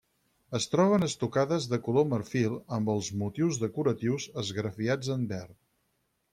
Es troben estucades de color marfil, amb els motius decoratius esgrafiats en verd.